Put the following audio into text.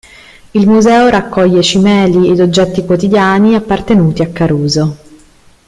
Il museo raccoglie cimeli ed oggetti quotidiani appartenuti a Caruso.